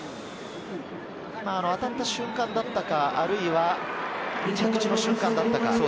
今、当たった瞬間だったか、あるいは着地の瞬間だったか。